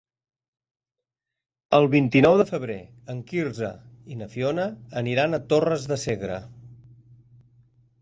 El vint-i-nou de febrer en Quirze i na Fiona aniran a Torres de Segre.